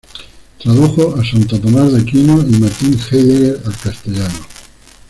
Tradujo a Santo Tomás de Aquino y Martin Heidegger al castellano.